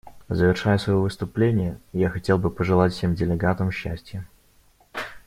Завершая свое выступление, я хотел бы пожелать всем делегатам счастья.